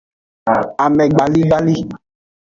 Amegbaligbali.